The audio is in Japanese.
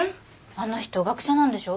あの人学者なんでしょ？